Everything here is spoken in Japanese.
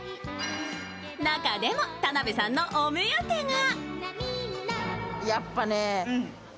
中でも田辺さんのお目当てが？